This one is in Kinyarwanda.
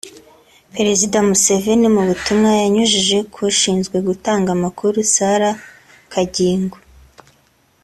Perezida Museveni mu butumwa yanyujije k’ushinzwe gutanga amakuru Sarah Kagingo